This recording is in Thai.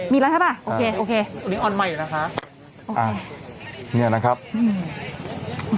มีแล้วใช่ป่ะโอเคโอเควันนี้ออนใหม่นะคะอ่าเนี้ยนะครับอืม